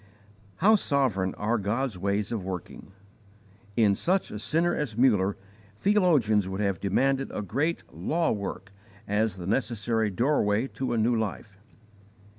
How sovereign are God's ways of working! In such a sinner as Muller, theologians would have demanded a great 'law work' as the necessary doorway to a new life.